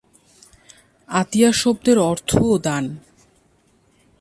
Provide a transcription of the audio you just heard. আতিয়া শব্দের অর্থও দান।